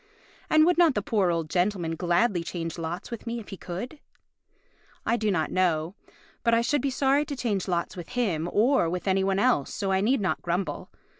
And would not the poor old gentleman gladly change lots with me, if he could? I do not know; but I should be sorry to change lots with him or with any one else, so I need not grumble.